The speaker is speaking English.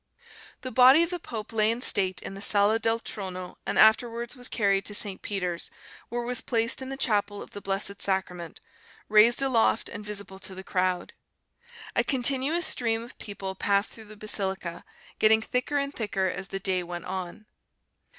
The body of the pope lay in state in the Sala del Trono and afterwards was carried to St. Peter's, where it was placed in the chapel of the Blessed Sacrament, raised aloft and visible to the crowd. A continuous stream of people passed through the basilica, getting thicker and thicker as the day went on.